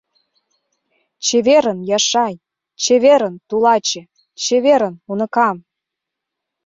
Чеверын, Яшай, чеверын, тулаче, чеверын, уныкам!